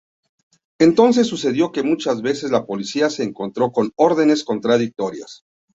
Entonces sucedió que muchas veces la policía se encontró con órdenes contradictorias.